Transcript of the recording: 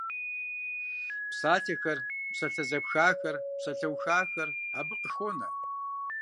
Псалъэхэр, псалъэ зэпхахэр, псалъэухахэр абы къыхонэ.